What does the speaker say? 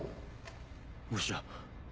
もしや。